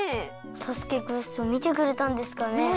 「かたづけクエスト」みてくれたんですかね？